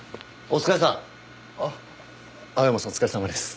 お疲れさまです。